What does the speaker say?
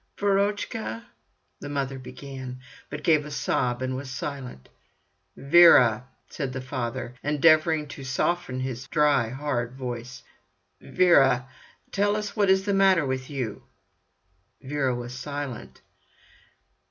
"Verochka!" the mother began, but gave a sob and was silent. "Vera!" said the father, endeavouring to soften his dry, hard voice. "Vera, tell us what is the matter with you?" Vera was silent.